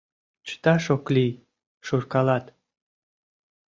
Чыташ ок лий, шуркалат.